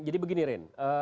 jadi begini rin